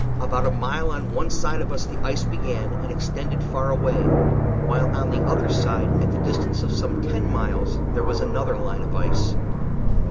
About a mile on one side of us the ice began, and extended far away; while on the other side, at the distance of some ten miles, there was another line of ice.